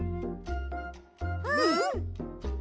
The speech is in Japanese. うん！